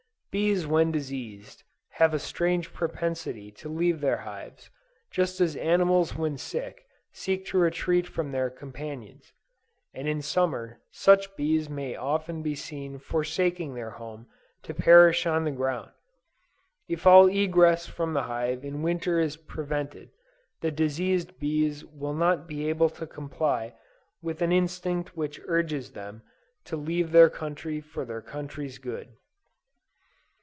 Bees when diseased have a strange propensity to leave their hives, just as animals when sick seek to retreat from their companions; and in Summer such bees may often be seen forsaking their home to perish on the ground. If all egress from the hive in Winter is prevented, the diseased bees will not be able to comply with an instinct which urges them "To leave their country for their country's good."